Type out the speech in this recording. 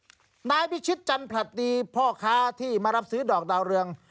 นายพิชิตจันผลัดดีพ่อค้าที่มารับซื้อดอกดาวเรือง